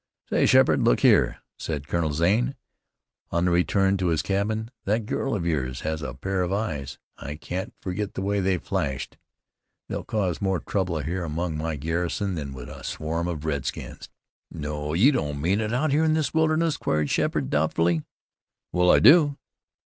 "Say, Sheppard, look here," said Colonel Zane, on the return to his cabin, "that girl of yours has a pair of eyes. I can't forget the way they flashed! They'll cause more trouble here among my garrison than would a swarm of redskins." "No! You don't mean it! Out here in this wilderness?" queried Sheppard doubtfully. "Well, I do."